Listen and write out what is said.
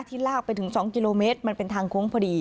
ลากไปถึง๒กิโลเมตรมันเป็นทางโค้งพอดี